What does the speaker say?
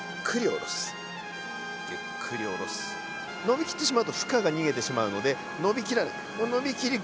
伸びきってしまうと負荷が逃げてしまうので伸びきらない伸びきる